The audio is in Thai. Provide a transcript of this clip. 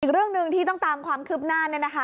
อีกเรื่องหนึ่งที่ต้องตามความคืบหน้า